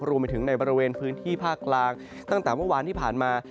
รวมไปถึงในบริเวณพื้นที่ภาคกลางตั้งแต่เมื่อวานที่ผ่านมา